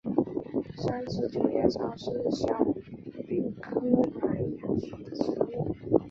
三枝九叶草是小檗科淫羊藿属的植物。